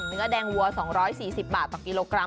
เนื้อแดงวัว๒๔๐บาทต่อกิโลกรัม